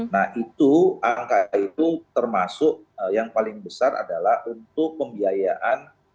nah itu angka itu termasuk yang paling besar adalah untuk pembiayaan